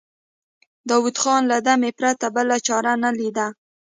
داوود خان له دمې پرته بله چاره نه ليده.